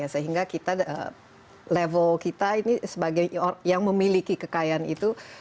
sehingga kita level kita ini sebagai yang memiliki kekayaan itu